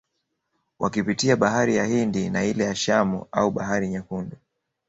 Wakipitia bahari ya Hindi na ile ya Shamu au bahari Nyekundu